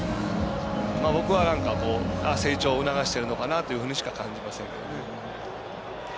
僕は、成長を促してるのかなというふうにしか感じませんけどね。